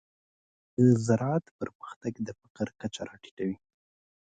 د زراعت پرمختګ د فقر کچه راټیټوي.